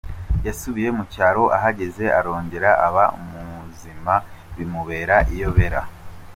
Yasubiye mu cyaro ahageze arongera aba muzima bimubera iyobera.